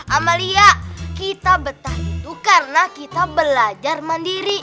amalia kita betah itu karena kita belajar mandiri